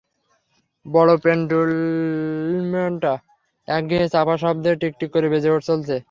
বড় পেন্ডুলামটা একঘেঁয়ে চাপা শব্দে টিকটিক করে বেজে চলেছে।